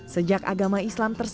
sejak agama islam tersebut